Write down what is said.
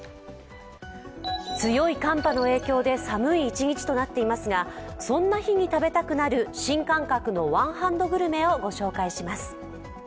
強い寒波の影響で寒い一日となっていますが、そんな日に食べたくなる新感覚のワンハンドグルメをご紹介します。